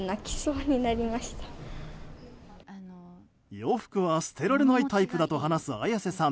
洋服は捨てられないタイプだと話す綾瀬さん。